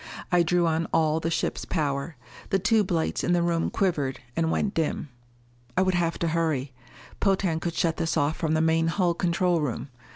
I drew on all the ship's power. The tube lights in the room quivered and went dim. I would have to hurry. Potan could shut this off from the main hull control room.